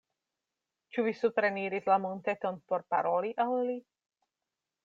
Ĉu vi supreniris la monteton por paroli al li?